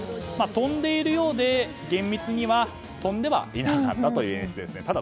飛んでいるようで、厳密には飛んではいなかったという演出ですね。